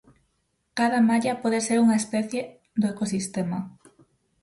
Cada malla pode ser unha especie do ecosistema.